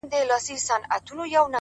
• سیاه پوسي ده، ورځ نه ده شپه ده،